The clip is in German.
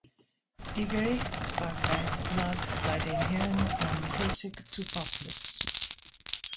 Die Gerichtsbarkeit lag bei den Herren von Krosigk zu Poplitz.